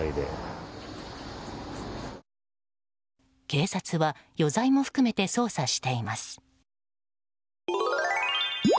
警察は余罪も含めて捜査しています。